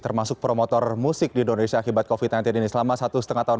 termasuk promotor musik di indonesia akibat covid sembilan belas ini selama satu setengah tahun